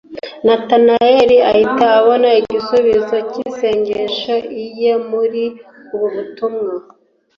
Natanaeli ahita abona igisubizo cy'isengesho iye muri ubu butumwa